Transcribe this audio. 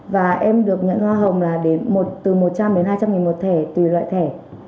và em được nhận hoa hồng là từ một trăm linh đến hai trăm linh nghìn một thẻ tùy loại thẻ